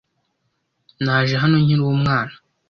Naje hano nkiri umwana.